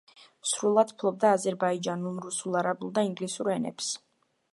სრულად ფლობდა აზერბაიჯანულ, რუსულ, არაბულ და ინგლისურ ენებს.